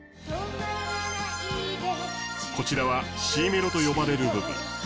こちらはＣメロと呼ばれる部分。